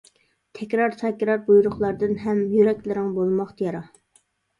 تەكرار-تەكرار بۇيرۇقلاردىن ھەم، يۈرەكلىرىڭ بولماقتا يارا.